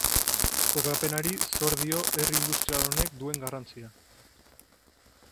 Kokapenari zor dio herri industrial honek duen garrantzia.